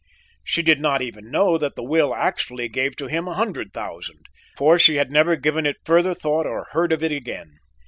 She did not even know that the will actually gave to him a hundred thousand, for she had never given it further thought or heard of it again.